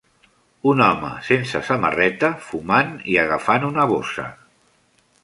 Un home sense samarreta fumant i agafant una bossa